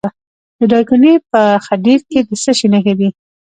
د دایکنډي په خدیر کې د څه شي نښې دي؟